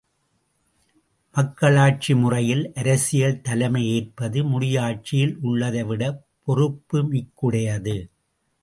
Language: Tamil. மக்களாட்சி முறையில் அரசியல் தலைமை ஏற்பது முடியாட்சியில் உள்ளதைவிடப் பொறுப்புமிக்குடையது.